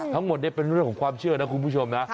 ทั้งหมดนี้เป็นเรื่องของความเชื่อนะคุณผู้ชมนะ